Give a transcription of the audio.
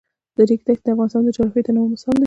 د ریګ دښتې د افغانستان د جغرافیوي تنوع مثال دی.